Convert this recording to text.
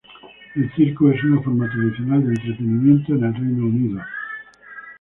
El circo es una forma tradicional de entretenimiento en el Reino Unido.